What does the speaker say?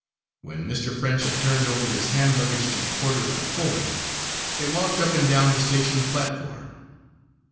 When Mr. French had turned over his hand luggage to the porter of the Pullman, they walked up and down the station platform.